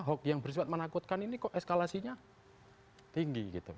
hoax yang bersifat menakutkan ini kok eskalasinya tinggi gitu